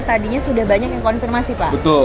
tadinya sudah banyak yang konfirmasi pak